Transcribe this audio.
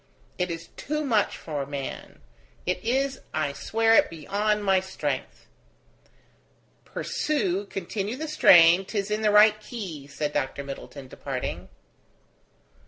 It is too much for man. It is, I swear it, beyond my strength." "Pursue, continue the strain; 'tis in the right key," said Dr. Middleton, departing.